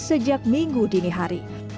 sejak minggu dinihari